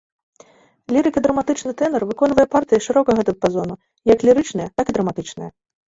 Лірыка-драматычны тэнар выконвае партыі шырокага дыяпазону як лірычныя, так і драматычныя.